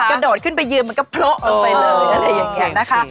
ใช่เด็กกระโดดขึ้นไปยืนมันก็โผล่อลงไปเลยอะไรอย่างนี้นะคะ